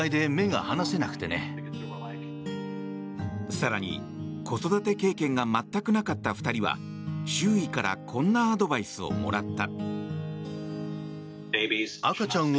更に、子育て経験が全くなかった２人は周囲からこんなアドバイスをもらった。